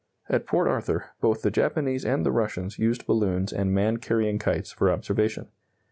At Port Arthur, both the Japanese and the Russians used balloons and man carrying kites for observation.